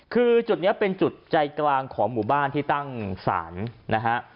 คือจุดนี้เป็นจุดใจกลางของหมู่บ้านที่ตั้งศาลนะฮะ